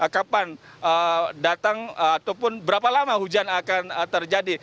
kapan datang ataupun berapa lama hujan akan terjadi